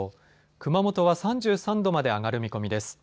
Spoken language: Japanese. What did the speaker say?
熊本は３３度まで上がる見込みです。